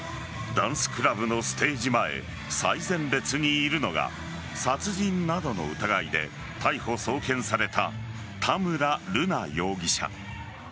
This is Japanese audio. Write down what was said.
ダンスクラブのステージ前最前列にいるのが殺人などの疑いで逮捕・送検された田村瑠奈容疑者。